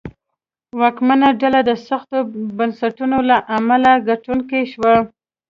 واکمنه ډله د سختو بنسټونو له امله ګټونکې شوه.